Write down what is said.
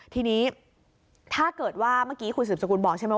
ทีนี้ถ้าเกิดว่าเมื่อกี้คุณสืบสกุลบอกใช่ไหม